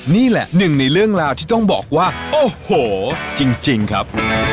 นี่แหละหนึ่งในเรื่องราวที่ต้องบอกว่าโอ้โหจริงครับ